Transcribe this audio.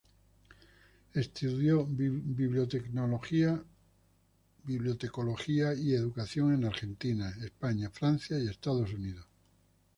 Estudió bibliotecología y educación en Argentina, España, Francia y Estados Unidos.